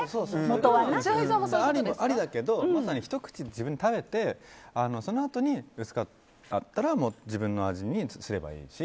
ありだけどひと口自分で食べてそのあとに、薄かったら自分の味にすればいいし。